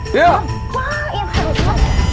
bapak yang harus